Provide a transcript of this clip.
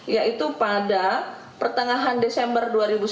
yaitu pada pertengahan desember dua ribu sembilan belas